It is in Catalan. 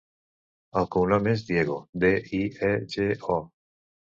El cognom és Diego: de, i, e, ge, o.